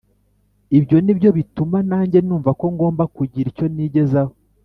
ibyo ni byo bituma nange numva ko ngomba kugira icyo nigezaho